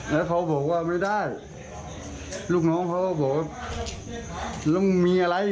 แล้วเขาบอกว่าไม่ได้ลูกหน์เขาบอกว่าลำมีอะไร